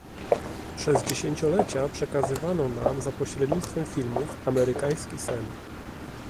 Przez dziesięciolecia przekazywano nam za pośrednictwem filmów amerykański sen